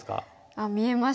あっ見えました。